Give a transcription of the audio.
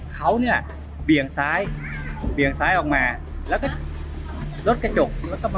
เขาเนี่ยเบี่ยงซ้ายเบี่ยงซ้ายออกมาแล้วก็รถกระจกรถ